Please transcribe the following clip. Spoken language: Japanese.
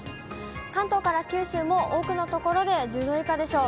関東から九州も多くの所で１０度以下でしょう。